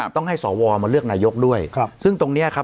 ต้องให้สวมาเลือกนายกด้วยครับซึ่งตรงเนี้ยครับ